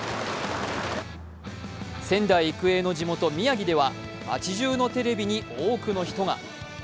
仙台育英の地元・宮城では町じゅうのテレビに多くの人が。